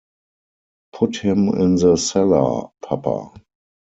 Put him in the cellar, papa.